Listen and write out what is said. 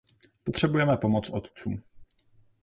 Potřebujeme pomoc otců.